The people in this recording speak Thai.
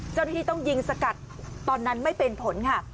เจ้าหน้าที่ต้องยิงสกัดตอนนั้นไม่เป็นผลค่ะ